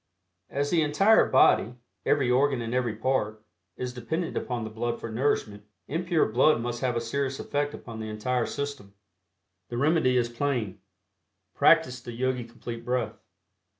As the entire body, every organ and every part, is dependent upon the blood for nourishment, impure blood must have a serious effect upon the entire system. The remedy is plain practice the Yogi Complete Breath.